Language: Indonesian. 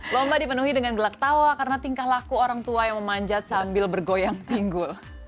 lomba dipenuhi dengan gelak tawa karena tingkah laku orang tua yang memanjat sambil bergoyang pinggul